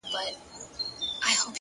خاموش کار لوی بدلون راولي.!